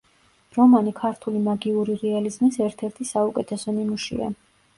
რომანი ქართული მაგიური რეალიზმის ერთ-ერთი საუკეთესო ნიმუშია.